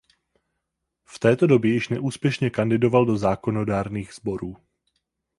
V této době již neúspěšně kandidoval do zákonodárných sborů.